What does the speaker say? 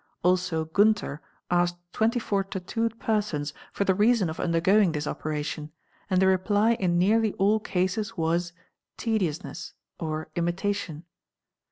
Also _ Gunter asked 24 tattooed persons for the reason of undergoing this operation, and the reply in nearly all cases was—tediousness or imitation.